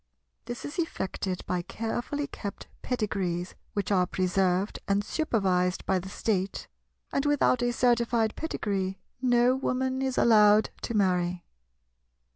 This is effected by carefully kept pedigrees, which are preserved and supervised by the State; and without a certified pedigree no Woman is allowed to marry.